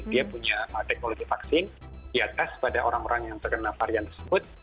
dia punya teknologi vaksin di atas pada orang orang yang terkena varian tersebut